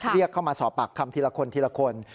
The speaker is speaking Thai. เรียกเข้ามาสอบปากคำทีละคนทีละคน